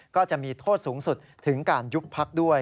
ก็จะมีโทษสูงสุดถึงการยุบพักด้วย